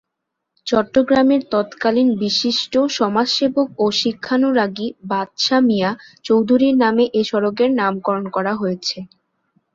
চট্টগ্রামের তৎকালীন বিশিষ্ট সমাজসেবক ও শিক্ষানুরাগী বাদশা মিয়া চৌধুরীর নামে এ সড়কের নামকরণ করা হয়েছে।